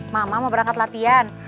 mama mau berangkat latihan